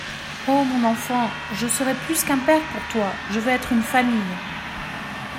Oh ! mon enfant ! je serai plus qu'un père pour toi, je veux être une famille.